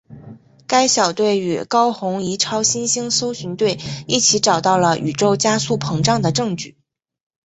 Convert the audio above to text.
该小队与高红移超新星搜寻队一起找到了宇宙加速膨胀的证据。